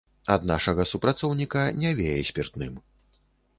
Ад нашага супрацоўніка не вее спіртным.